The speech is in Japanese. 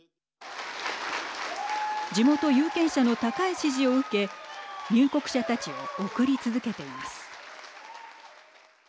地元有権者の高い支持を受け入国者たちを送り続けています。